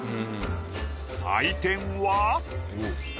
採点は？